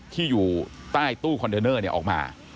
ที่อยู่ใต้ตู้คอนเทนเนอร์ออกมา